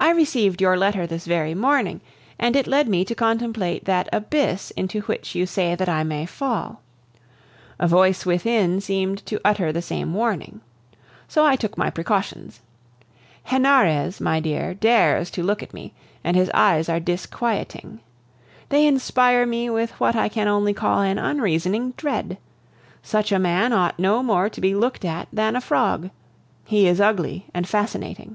I received your letter this very morning, and it led me to contemplate that abyss into which you say that I may fall. A voice within seemed to utter the same warning. So I took my precautions. Henarez, my dear, dares to look at me, and his eyes are disquieting. They inspire me with what I can only call an unreasoning dread. Such a man ought no more to be looked at than a frog; he is ugly and fascinating.